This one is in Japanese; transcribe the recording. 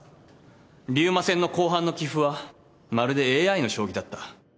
竜馬戦の後半の棋譜はまるでＡＩの将棋だった。